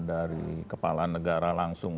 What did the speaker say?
dari kepala negara langsung